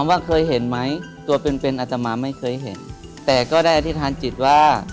ว่าเคยเห็นไหมตัวเป็นเป็นอัตมาไม่เคยเห็นแต่ก็ได้อธิษฐานจิตว่า